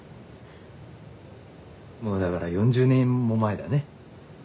もうだから４０年も前だね。